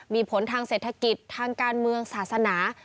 มีผลทางเศรษฐกิจทางการเมืองศาสนา